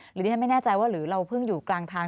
หรือที่ฉันไม่แน่ใจว่าหรือเราเพิ่งอยู่กลางทาง